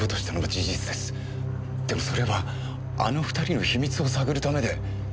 でもそれはあの２人の秘密を探るためで。